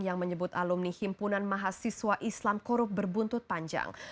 yang menyebut alumni himpunan mahasiswa islam korup berbuntut panjang